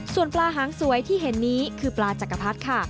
ส่วนปลาหางสวยที่เห็นนี้คือปลาจักรพรรดิค่ะ